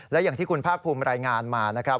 และอย่างที่คุณภาคภูมิรายงานมานะครับ